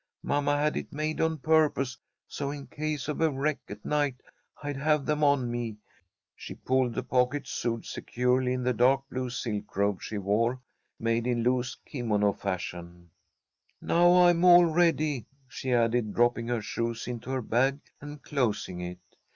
Mamma had it made on purpose, so in case of a wreck at night I'd have them on me. She patted the pocket sewed securely in the dark blue silk robe she wore, made in loose kimono fashion. "Now I'm all ready," she added, dropping her shoes into her bag and closing it.